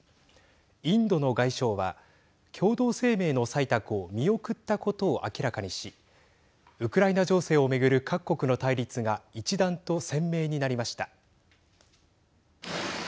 インドの外相は共同声明の採択を見送ったことを明らかにしウクライナ情勢を巡る各国の対立が一段と鮮明になりました。